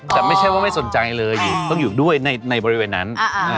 ก็ไม่สนใจเลยต้องอยู่ด้วยในบริเวณนั้น